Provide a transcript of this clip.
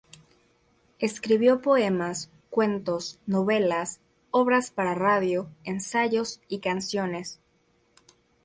Escribió poemas, cuentos, novelas, obras para radio, ensayos y canciones.